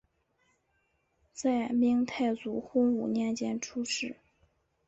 在明太祖洪武年间出仕。